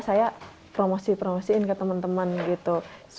saya promosi promosiin ke teman teman gitu